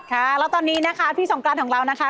ค่ะแล้วตอนนี้นะคะพี่สงกรานของเรานะคะ